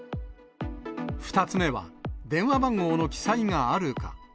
２つ目は電話番号の記載があるか。